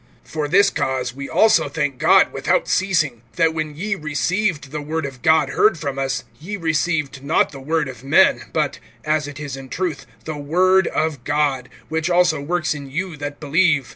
(13)For this cause we also thank God without ceasing, that when ye received the word of God heard from us, ye received not the word of men, but, as it is in truth, the word of God, which also works in you that believe.